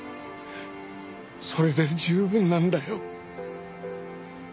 それで十分なんだよ。